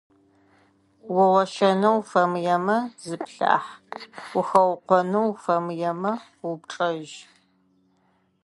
Угъощэнэу уфэмыемэ, зыплъахь, ухэукъонэу уфэмыемэ, упчӏэжь.